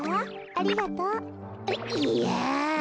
ありがとう。いや。